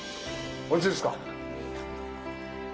おいしいですか。